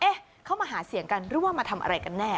เข้ามาหาเสียงกันหรือว่ามาทำอะไรกันแน่